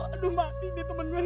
aduh mati nih temen gue nih